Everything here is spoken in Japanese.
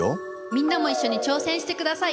みんなもいっしょに挑戦してください！